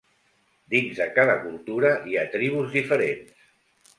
Dins de cada cultura hi ha tribus diferents.